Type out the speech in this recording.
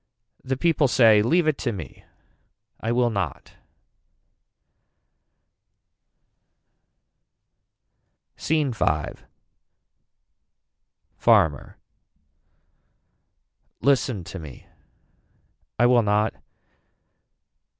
The people say leave it to me. I will not. SCENE V. Farmer. Listen to me. I will not.